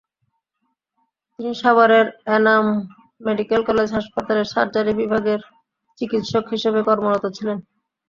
তিনি সাভারের Enam medical college হাসপাতালে সার্জারি বিভাগের চিকিৎসক হিসেবে কর্মরত ছিলেন।